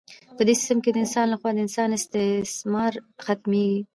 په دې سیستم کې د انسان لخوا د انسان استثمار ختمیږي.